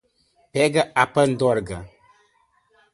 Pega a pandorga